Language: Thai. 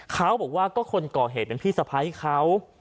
เขาบอกว่าก็คนก่อเหตุเป็นพี่สะพ้ายเขา